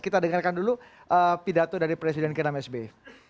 kita dengarkan dulu pidato dari presiden ke enam sby